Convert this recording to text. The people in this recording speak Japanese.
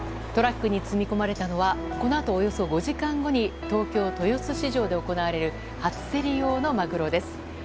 トラックに積み込まれたのはこのあと、およそ５時間後に東京・豊洲市場で行われる初競り用のマグロです。